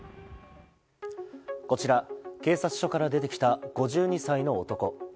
こちら、警察署から出てきた５２歳の男。